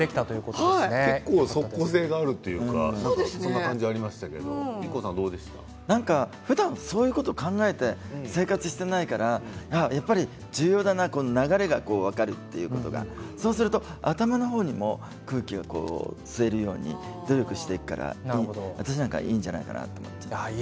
結構、即効性があるという感じがありましたけれどふだんそういうこと考えて生活していないから重要だな、流れが分かるということか、そうすると頭の方にも空気を吸えるように努力していくから私なんかいいんじゃないかなと思っちゃう。